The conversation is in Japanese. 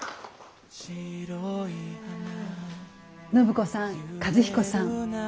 暢子さん和彦さん